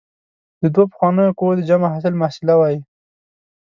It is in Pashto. د دوو پخوانیو قوو د جمع حاصل محصله وايي.